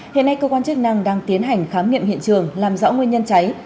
hiện nay cơ quan chức năng đang tiến hành khám nghiệm hiện trường làm rõ nguyên nhân cháy